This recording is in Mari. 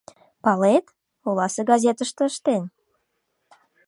Палет, оласе газетыште ыштен?